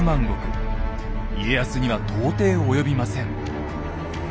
家康には到底及びません。